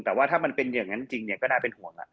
แต่ว่าถ้ามันเป็นอย่างนั้นจริงก็น่าเป็นห่วง